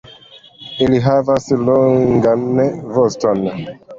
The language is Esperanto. Ili havas longan voston.